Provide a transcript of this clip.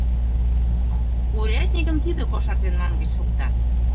Урядникым тиде кошартен мангыч шокта.